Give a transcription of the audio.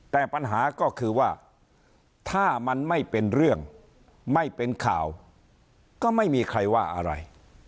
แต่ปัญหาก็คือว่าถ้ามันไม่เป็นเรื่องไม่เป็นข่าวก็ไม่มีใครว่าอะไร